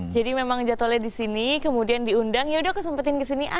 jadi memang jadwalnya di sini kemudian diundang yaudah aku sempetin ke sini